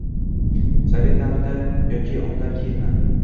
Sovet davrida yoki undan keyinmi?